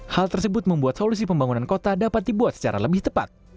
hal tersebut membuat solusi pembangunan kota dapat dibuat secara lebih tepat